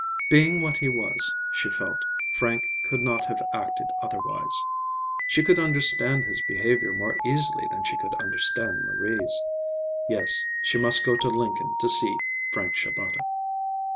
Being what he was, she felt, Frank could not have acted otherwise. She could understand his behavior more easily than she could understand Marie's. Yes, she must go to Lincoln to see Frank Shabata.